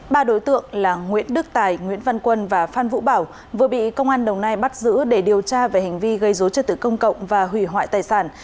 ba đối tượng là nguyễn đức tài nguyễn văn quân và phan vũ bảo vừa bị công an đồng nai bắt giữ để điều tra về hành vi gây dối trật tự công cộng và hủy hoại tài sản